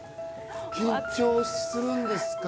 緊張するんですか？